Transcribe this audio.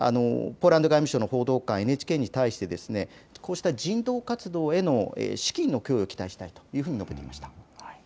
ポーランド外務省の報道官はＮＨＫに対してこうした人道活動への資金の供与を期待したいというふうに述べていました。